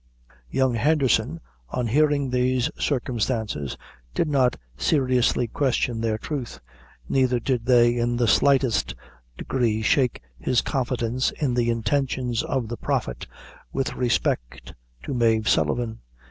Young Henderson, on hearing these circumstances, did not seriously question their truth; neither did they in the slightest degree shake his confidence in the intentions of the Prophet with respect to Mave Sullivan.